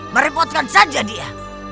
merepotkan saja dia